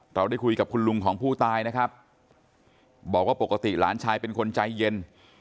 เราได้คุยกับคุณลุงของผู้ตายนะครับบอกว่าปกติหลานชายเป็นคนใจเย็น